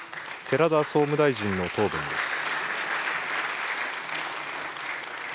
寺田総務大臣の答弁です。